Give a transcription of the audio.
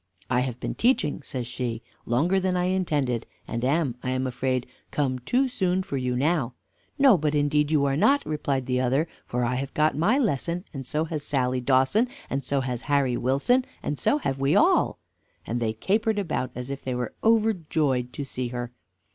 "I have been teaching," says she, "longer than I intended, and am, I am afraid, come too soon for you now." "No, but indeed you are not," replied the other; "for I have got my lesson, and so has Sally Dawson, and so has Harry Wilson, and so have we all;" and they capered about as if they were overjoyed to see her.